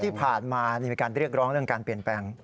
ที่ผ่านมามีการเรียกร้องเรื่องการเปลี่ยนแปลง